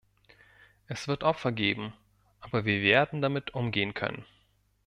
Es wird Opfer geben, aber wir werden damit umgehen können.